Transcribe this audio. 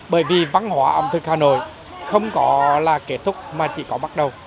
bởi vì văn hóa ẩm thực hà nội không có là kết thúc mà chỉ có bắt đầu